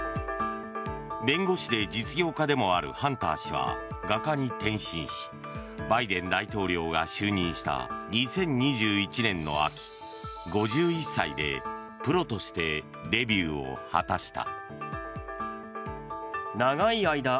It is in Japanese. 弁護士で実業家でもあるハンター氏は画家に転身しバイデン大統領が就任した２０２１年の秋５１歳でプロとしてデビューを果たした。